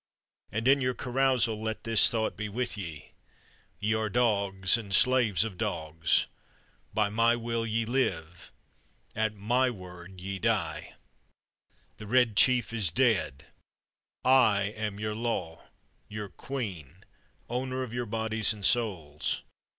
And in your carousal let this thought be with ye: Ye are dogs and slaves of dogs; by my will ye live, at my word ye die. The Red Chief is dead; I am your law, your queen, owner of your bodies and souls!